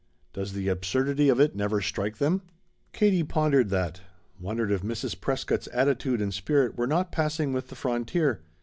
Does the absurdity of it never strike them?" Katie pondered that; wondered if Mrs. Prescott's attitude and spirit were not passing with the frontier.